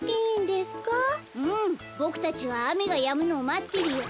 うんボクたちはあめがやむのをまってるよ。